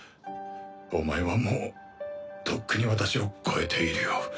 お前はもうとっくに私を超えているよ。